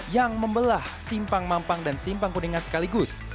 yang membelah simpang mampang dan simpang kuningan sekaligus